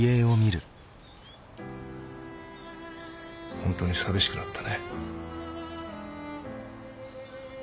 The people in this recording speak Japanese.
本当に寂しくなったね。